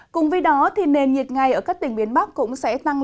cùng với đó nền nhiệt ngày ở các tỉnh miền bắc cũng sẽ thay đổi